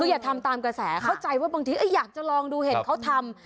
คืออย่าทำตามกระแสเข้าใจว่าบางทีอยากจะลองดูเห็นเขาทำ